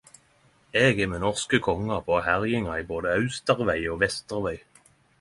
Eg er med norske kongar på herjingar både i austerveg og vesterveg.